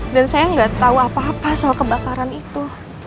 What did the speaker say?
dan saya gak tau apa apa soal kebakaran itu